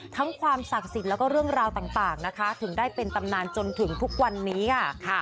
ความศักดิ์สิทธิ์แล้วก็เรื่องราวต่างนะคะถึงได้เป็นตำนานจนถึงทุกวันนี้ค่ะ